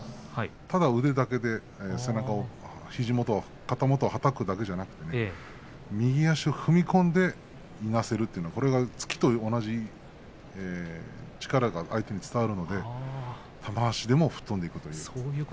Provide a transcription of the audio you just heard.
ただ、腕だけで肘元、肩元はたくだけでなく右足踏み込んでいなせるというのが突きと同じ力が相手に伝わるので玉鷲でも吹っ飛んでいくという。